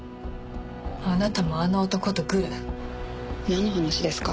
あなたもあの男とグル？